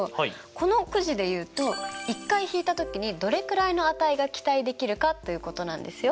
このくじで言うと１回引いた時にどれくらいの値が期待できるかということなんですよ。